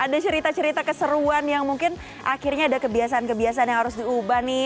ada cerita cerita keseruan yang mungkin akhirnya ada kebiasaan kebiasaan yang harus diubah nih